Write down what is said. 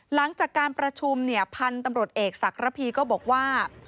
หลังจากการประชุมเนี่ยพันธุ์ตำรวจเอกศักระพีก็บอกว่า